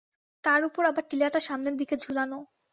তার উপর আবার টিলাটা সামনের দিকে ঝুলানো।